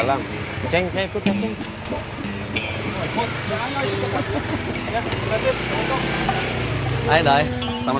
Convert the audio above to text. pak kamtip selamat datang